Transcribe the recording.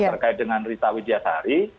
terkait dengan rita widyatari